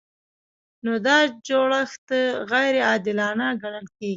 نو دا جوړښت غیر عادلانه ګڼل کیږي.